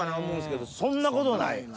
思うんすけどそんなことない。